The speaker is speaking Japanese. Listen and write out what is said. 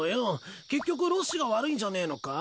結局ロッシが悪いんじゃねえのか？